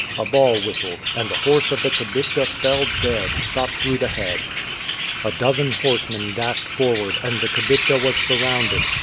A ball whistled, and the horse of the kibitka fell dead, shot through the head. A dozen horsemen dashed forward, and the kibitka was surrounded.